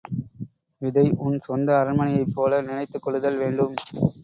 இதை உன் சொந்த அரண்மனையைப்போல நினைத்துக் கொள்ளுதல் வேண்டும்.